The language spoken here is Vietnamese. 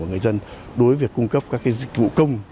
của người dân đối với việc cung cấp các dịch vụ